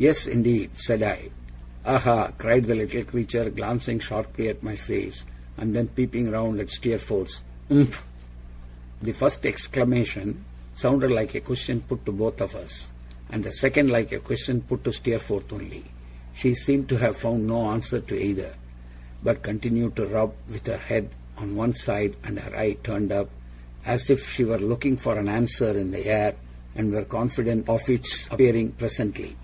'Yes, indeed,' said I. 'Aha?' cried the little creature, glancing sharply at my face, and then peeping round at Steerforth's. 'Umph?' The first exclamation sounded like a question put to both of us, and the second like a question put to Steerforth only. She seemed to have found no answer to either, but continued to rub, with her head on one side and her eye turned up, as if she were looking for an answer in the air and were confident of its appearing presently.